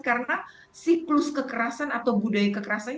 karena siklus kekerasan atau budaya kekerasan